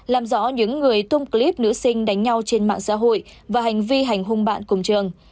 làm rõ những người tung clip nữ sinh đánh nhau trên mạng xã hội và hành vi hành hung bạn cùng trường